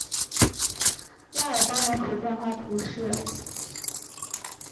拉尔邦人口变化图示